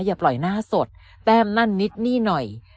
อย่าปล่อยหน้าสดแต้มนั่นนิดนี่หน่อย